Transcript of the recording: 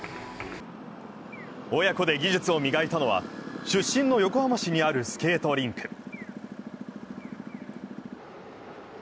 親子で技術を磨いたのは、出身の横浜市にあるスケートリンク。